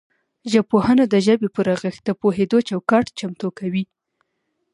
ژبپوهنه د ژبې پر رغښت د پوهیدو چوکاټ چمتو کوي